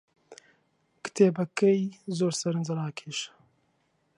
کتێبەکەی زۆر سەرنجڕاکێشە.